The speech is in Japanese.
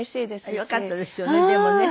よかったですよねでもね。